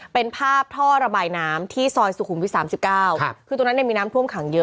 เป็นภาพท่อระบายน้ำที่ซอยสุขุมวิท๓๙คือตรงนั้นเนี่ยมีน้ำท่วมขังเยอะ